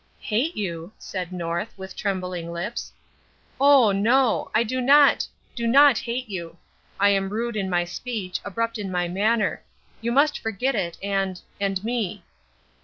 "Hate you!" said North, with trembling lips. "Oh, no, I do not do not hate you. I am rude in my speech, abrupt in my manner. You must forget it, and and me."